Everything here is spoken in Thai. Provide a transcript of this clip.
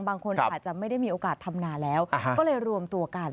บางคนอาจจะไม่ได้มีโอกาสทำนาแล้วก็เลยรวมตัวกัน